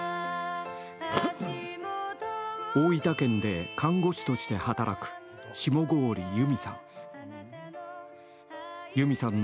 大分県で看護師として働く下郡由美さん。